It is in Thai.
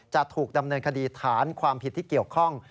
จะถูกดำเนินคดีฐานความผิดที่เกี่ยวข้อง